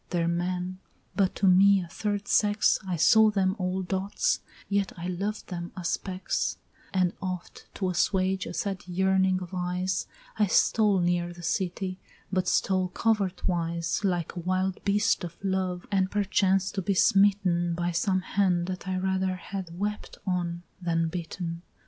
there men! but to me a third sex I saw them all dots yet I loved them as specks: And oft to assuage a sad yearning of eyes I stole near the city, but stole covert wise Like a wild beast of love, and perchance to be smitten By some hand that I rather had wept on than bitten!